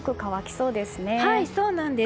そうなんです。